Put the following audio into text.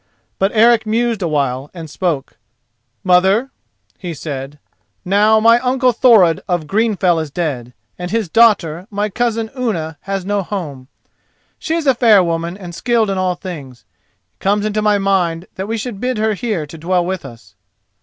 But Eric mused a while, and spoke. "Mother," he said, "now my uncle Thorod of Greenfell is dead, and his daughter, my cousin Unna, has no home. She is a fair woman and skilled in all things. It comes into my mind that we should bid her here to dwell with us."